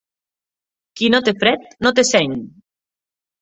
Qui no te fred no té seny!